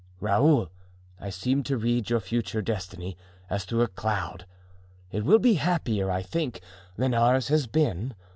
Raoul, I seem to read your future destiny as through a cloud. It will be happier, I think, than ours has been.